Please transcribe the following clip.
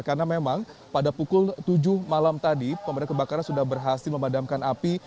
karena memang pada pukul tujuh malam tadi pemadam kebakaran sudah berhasil memadamkan api